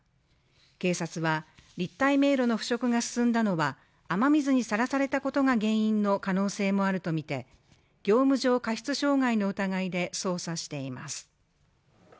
警察は立体迷路の腐食が進んだのは雨水にさらされたことが原因の可能性もあるとみて業務上過失傷害の疑いで捜査しています。